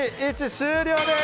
終了です！